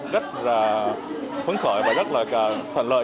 rất là phấn khởi và rất là thuận lợi